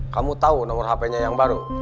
kamu tau nomor hpnya yang baru